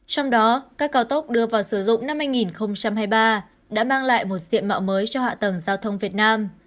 trong đó các cao tốc đưa vào sử dụng năm hai nghìn hai mươi ba đã mang lại một diện mạo mới cho hạ tầng giao thông việt nam